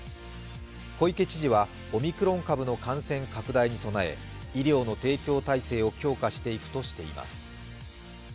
小池知事はオミクロン株の感染拡大に備え医療の提供体制を強化していくとしています。